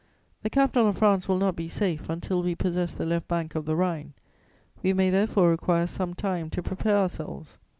The capital of France will not be safe until we possess the left bank of the Rhine. We may therefore require some time to prepare ourselves.